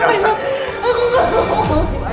elsa kamu jangan ada adik